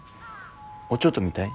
おちょと見たい？